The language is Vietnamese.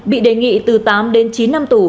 bị đề nghị từ tám chín năm tù